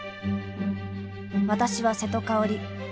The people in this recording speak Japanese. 私は瀬戸香織。